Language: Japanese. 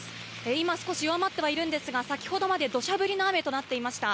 今、少し弱まってはいるんですが先ほどまでどしゃ降りの雨となっていました。